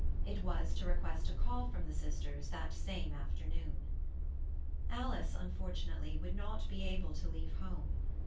It was to request a call from the sisters that same afternoon. Alice, unfortunately, would not be able to leave home.